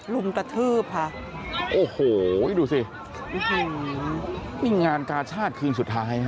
รุมกระทืบค่ะโอ้โหดูสินี่งานกาชาติคืนสุดท้ายฮะ